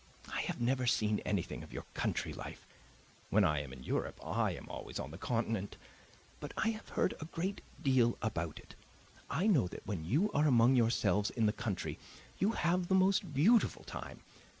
I have never seen anything of your country life; when I am in Europe I am always on the Continent. But I have heard a great deal about it; I know that when you are among yourselves in the country you have the most beautiful time.